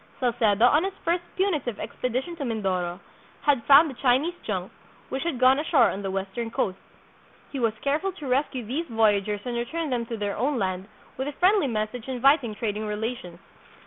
Salcedo, on his first punitive expedition to Mindoro, had found a Chinese junk, which had gone ashore on the western coast. He was careful to rescue these voyagers and return them to their own land, with a friendly message inviting trading rela tions.